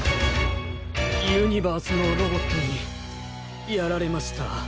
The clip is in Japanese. ユニバースのロボットにやられました。